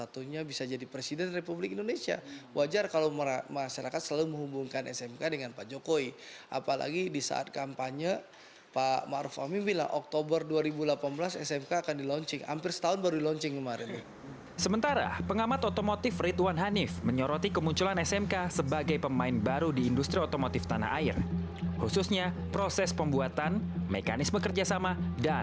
terima kasih terima kasih terima kasih